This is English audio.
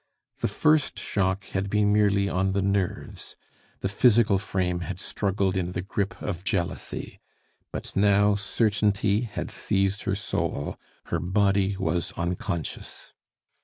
The first shock had been merely on the nerves, the physical frame had struggled in the grip of jealousy; but now certainty had seized her soul, her body was unconscious.